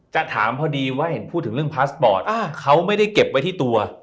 จะถามพอดีว่าเห็นพูดถึงเรื่องพาสปอร์ตเขาไม่ได้เก็บไว้ที่ตัว